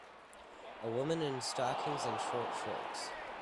A woman in stockings and short shorts.